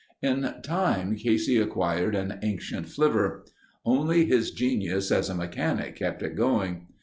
In time Casey acquired an ancient flivver. Only his genius as a mechanic kept it going.